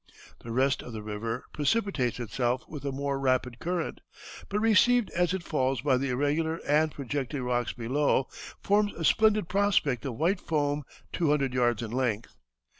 The rest of the river precipitates itself with a more rapid current, but received as it falls by the irregular and projecting rocks below, forms a splendid prospect of white foam two hundred yards in length....